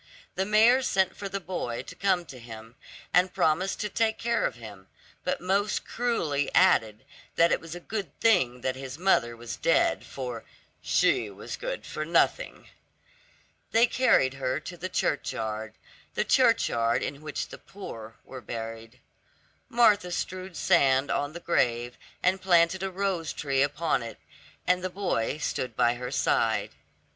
The mayor sent for the boy to come to him, and promised to take care of him, but most cruelly added that it was a good thing that his mother was dead, for "she was good for nothing." They carried her to the churchyard, the churchyard in which the poor were buried. Martha strewed sand on the grave and planted a rose tree upon it, and the boy stood by her side.